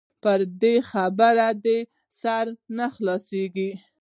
پر دې خبرو دې سر نه خلاصيږي.